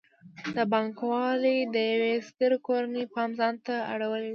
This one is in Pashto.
د بانک والۍ د یوې سترې کورنۍ پام ځان ته ور اړولی و.